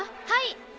はい！